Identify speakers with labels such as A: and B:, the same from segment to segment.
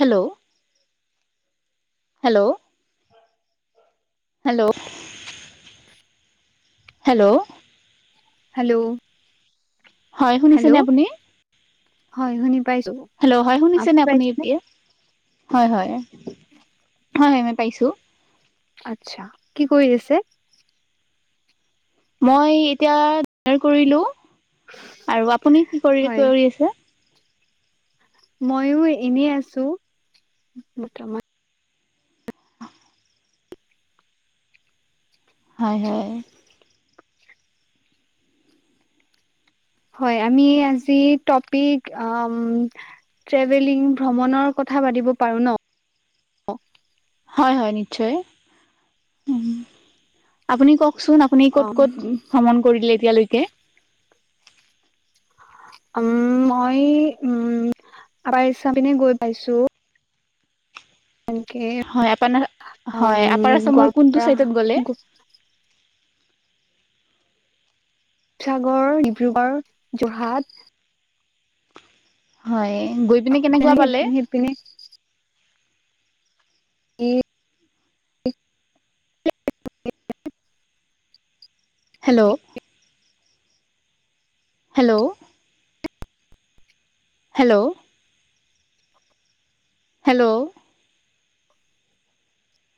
A: Hello hello hello. Hello
B: hello
A: হয়
B: hello
A: শুনিছেনে আপুনি?
B: হয় শুনি পাইছোঁ।
A: হেল্ল' হয় শুনিছে‌ আপোনি এতিয়া, হয় হয় হয়, হয় মই পাইছোঁ।
B: আচ্ছা, কি কৰি আছে?
A: মই এতিয়া ডাৰ কৰিলোঁ আৰু আপুনি কি কৰি
B: হয়
A: কৰি আছে?
B: মইও এনেই আছোঁ বৰ্তমান।
A: হয় হয়।
B: হয় আমি আজি টপিক আ ট্ৰেভেলিং ভ্ৰমণৰ কথা পাতিব পাৰোঁ ন।
A: হয় হয় নিশ্চয়, উম! আপুনি কচোন আ আপুনি
B: অ
A: ক'ত ক'ত ভ্ৰমণ কৰিলে এতিয়ালৈকে?
B: উম মই উম আপাৰ আছাম পিনে গৈ পাইছোঁ। তাকে।
A: হয় আপ হয় আপাৰ আছামৰ কোনটো
B: গোৱালপাৰা
A: চাইডত গ'লে।
B: শিৱসাগৰ, ডিব্ৰুগড়, যোৰহাট।
A: হয় গৈ পিনে কেনেকুৱা
B: তেনেকে
A: পালে
B: সেইপিনে কি?
A: Hello hello hello hello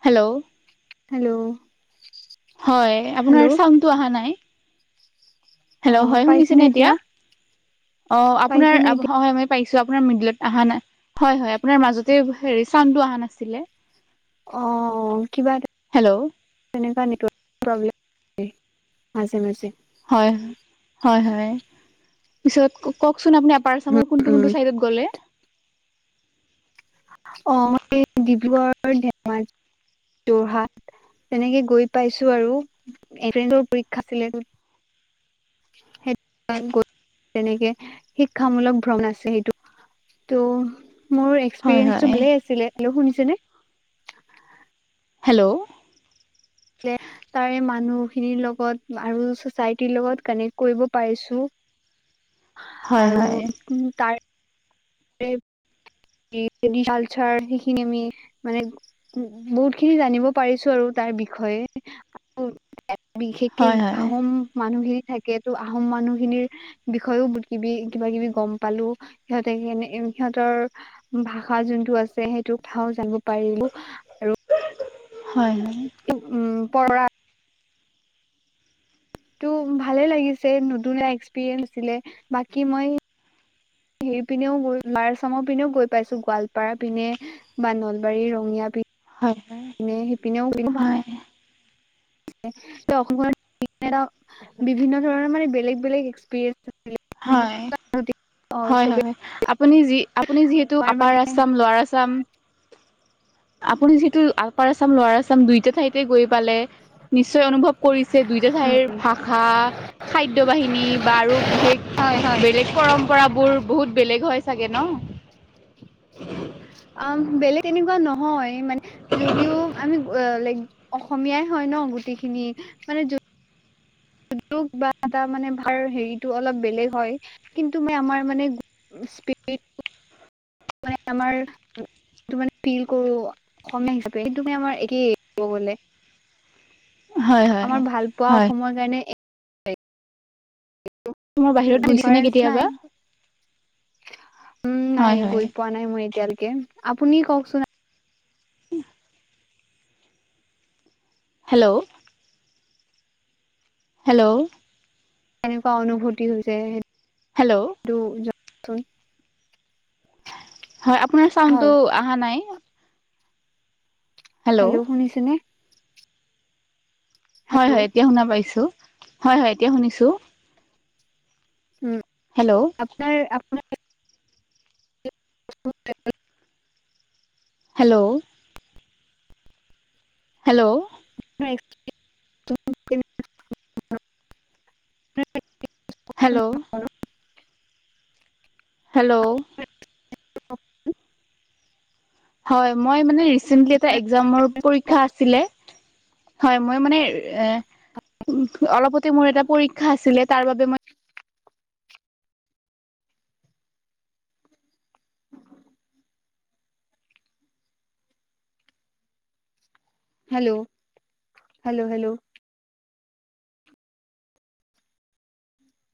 A: hello
B: hello
A: হয় আপোনাৰ
B: হেল্ল'
A: চাউণ্ডটো অহা নাই
B: অ
A: হেল্ল' হয় শুনিছে
B: পাইছেনে
A: ন এতিয়া অ
B: পাইছেনে
A: আপোনাৰ পাইছো আপোনাৰ মিডিলত অহা নাই হয় হয় আপোনাৰ মাজতে হেৰি চাউণ্ডটো অহা নাছিলে
B: অ কিবা এটা
A: হেল্ল'
B: তেনেকুৱা নেটৱৰ্ক প্ৰব্লেম হয় মাজে মাজে
A: হয় হয় হয় পিছত কওকচোন আপুনি আপাৰ
B: উম,
A: আসামৰ কোনটো
B: উম,
A: কোনটো চাইত গ'লে
B: অ ম‌ই ডিব্ৰুগড় ধেমাজি যোৰহাট তেনেকে গৈ পাইছো আৰু পৰীক্ষাছিলে সেইটো তেনেকে শিক্ষামূলক ভ্ৰমণ আছিল সেইটো ত মোৰ
A: হয়
B: এক্সপিৰিয়েঞ্চটো
A: হয়
B: ভাল আছিল শুনিছে নে
A: হেল্ল'
B: তাৰে মানুহ খিনিৰ লগত আৰু ছচাইটিৰ লগত কানেক্ট কৰিব পাৰিছো
A: হয়
B: আৰু
A: হয়
B: উম, তাৰে কালচাৰ সেইখিনি আমি মানে উ বহুত খিনি জানিব পাৰিছো আৰু তাৰ বিষয়ে বিশেষকে
A: হয় হয়
B: আহোম মানুহখিনি থাকে টো আহোম মানুহখিনিৰ বিষয়েও বহুত কিবি কিবা কিবি গম পালো সিহঁতে কেনে সিহঁতৰ ভাষা যোনটো আছে সেইটো কথাও জানিব পাৰিলো
A: হয়, হয়
B: পৰকা টো ভালে লাগিছে নতুন এক্সপিৰিয়েঞ্চ আছিলে বাকী মই সেই পিনেও গৈ ল'ৱাৰ আচামৰ পিনেও গৈ পাইছো গোৱালপাৰা পিনে বা নলবাৰী ৰঙিয়া পি
A: হয়
B: পিনে সেইপিনেও
A: হয়
B: অসম বিভিন্ন ধৰণৰ মানে বেলেগ বেলেগ এক্সপিৰিয়েঞ্চ
A: হয়
B: অ
A: হয়
B: চবে
A: হয় আপুনি যি আপুনি যিহেতু
B: তোমাৰ
A: আপাৰ
B: মানে
A: আচাম লোৱাৰ আচাম আপুনি যিহেতু আপাৰ আছাম লৱাৰ আছাম দুইটা ঠাইতে গৈ পালে নিশ্চয় অনুভৱ কৰিছে দুইটা ঠাইৰ ভাষা খাদ্য বাহিনী বা আৰু বিশেষ
B: হয় হয়
A: বেলেগ পৰম্পৰাবোৰ বহুত বেলেগ হয়, চাগে ন
B: অ', বেলেগ তেনেকুৱা নহয় মানে যদিও আমি ল অসমীয়াই হয়, ন' গোটেইখিনি মানে বা এটা মানে হেৰিটো অলপ বেলেগ হয় কিন্তু মই আমাৰ মানে স্পিৰিট মানে আমাৰ সেইটো মানে ফিল কৰো অসমীয়া হিচাপে সেইটো আমাৰ একেই কব গলে
A: হয় হয়
B: আমাৰ ভাল পোৱা
A: হয়
B: অসমৰ কাৰণে এছ একো
A: তোমাৰ বাহিৰত গৈছে নে
B: ডিফাৰেঞ্চ
A: কেতিয়াবা
B: নাই উম,
A: হয়
B: নাই
A: হয়
B: গৈ পোৱা নাই মই এতিয়ালৈকে আপুনি কওকচোন
A: উ হেল্ল' হেল্ল
B: এনেকুৱা অনুভূতি হৈছে স
A: হেল্ল
B: সেইটো জনাব চুন
A: হয়, আপোনাৰ
B: হয়
A: চাউণ্ডটো অহা নাই
B: হেল্ল' শুনিছে নে?
A: হয়
B: হেল্ল'
A: হয় এতিয়া শুনা পাইছো। হয় হয় এতিয়া শুনিছো।
B: উম।
A: হেল্ল'!
B: আপোনাৰ আপোনাৰ [unintelligible]
A: হেল্ল'! হেল্ল'!
B: [unintelligible]
A: হেল্ল'! হেল্ল'!
B: [unintelligible]
A: হয়, মই মানে ৰিছেণ্টলি এটা এক্সামৰ পৰীক্ষা আছিলে। হয়, মই মানে এ অলপতে মোৰ এটা পৰীক্ষা আছিলে তাৰ বাবে মই
B: হেল্ল'! হেল্ল'! হেল্ল'!